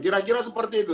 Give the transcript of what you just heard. kira kira seperti itu